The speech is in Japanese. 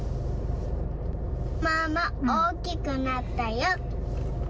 ママ、大きくなったよ。